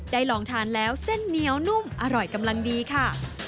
ลองทานแล้วเส้นเหนียวนุ่มอร่อยกำลังดีค่ะ